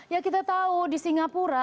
jadi kita tahu di singapura